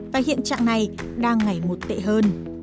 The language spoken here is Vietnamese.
và hiện trạng này đang ngày một tệ hơn